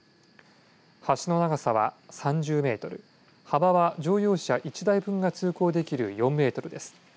橋の長さは３０メートル幅は乗用車１台分が通行できる４メートルです。